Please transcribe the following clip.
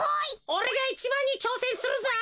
おれがいちばんにちょうせんするぞ。